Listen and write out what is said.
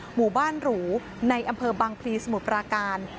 หมู่บ้านหรูในอำเภอบังพลีสมุทรปราการ